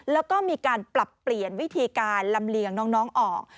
แล้วก็มีการปรับเปลี่ยนวิธีการลำเลียงน้องออก